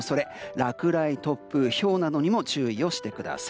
落雷、突風、ひょうなどにも注意してください。